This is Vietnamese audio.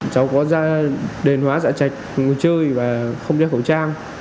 cháu có ra đền hóa dạ chạch ngồi chơi và không đeo khẩu trang